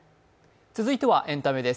続いてはエンタメです。